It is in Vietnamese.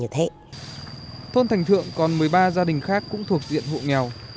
thôn thành thượng còn một mươi ba gia đình khác cũng thuộc diện hộ nghèo